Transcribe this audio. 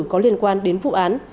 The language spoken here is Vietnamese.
có liên quan đến vụ án